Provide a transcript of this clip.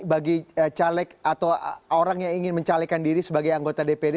bagi caleg atau orang yang ingin mencalekan diri sebagai anggota dpd